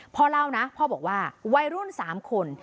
พ่อเล่านะพ่อบอกว่าวัยรุ่น๓คน